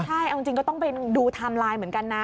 ใช่เอาจริงก็ต้องไปดูไทม์ไลน์เหมือนกันนะ